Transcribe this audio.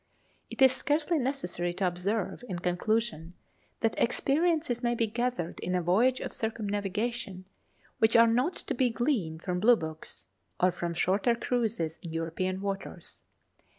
It is scarcely necessary to observe, in conclusion, that experiences may be gathered in a voyage of circumnavigation which are not to be gleaned from Blue books or from shorter cruises in European waters.